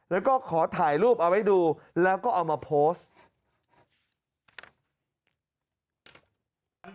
แล้วก็ขอถ่ายรูปเอาไว้ดูแล้วก็เอามาโพสต์